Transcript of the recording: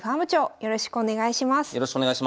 よろしくお願いします。